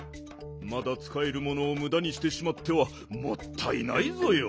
まだつかえるものをむだにしてしまってはもったいないぞよ。